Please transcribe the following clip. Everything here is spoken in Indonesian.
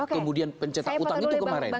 kemudian pencetak utang itu kemarin